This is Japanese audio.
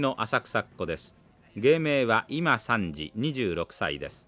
芸名は今三次２６歳です。